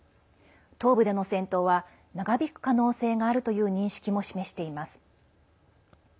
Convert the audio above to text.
東部での戦闘は長引く可能性があるという認識も示しています。